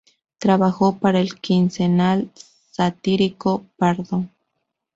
Trabajó para el quincenal satírico "pardon".